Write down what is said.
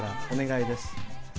「お願いです。